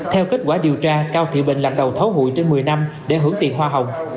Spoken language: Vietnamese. theo kết quả điều tra cao thị bình làm đầu thấu hụi trên một mươi năm để hưởng tiền hoa hồng